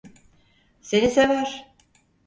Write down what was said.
Seni sever.